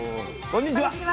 こんにちは。